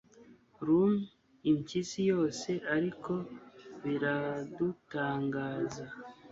Rum impyisi yose ariko biradutangaza